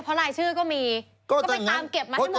เพราะรายชื่อก็มีก็ไปตามเก็บมาให้หมด